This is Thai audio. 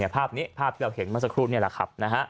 ภาพนี้ภาพที่เราเห็นเมื่อสักครู่นี่แหละครับ